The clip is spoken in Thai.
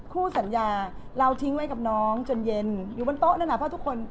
คู่สัญญาเราทิ้งไว้กับน้องจนเย็นอยู่บนโต๊ะนั่นน่ะเพราะทุกคน